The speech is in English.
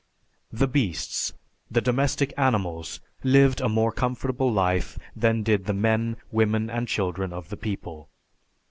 The beasts, the domestic animals lived a more comfortable life than did the men, women, and children of the people.